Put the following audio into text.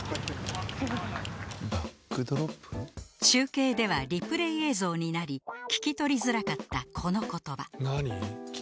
中継ではリプレー映像になり聞き取りづらかったこの言葉。